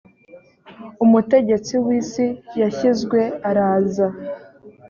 umutegetsi w isi yashyizwe araza